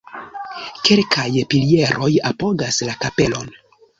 Kelkaj pilieroj apogas la kapelon.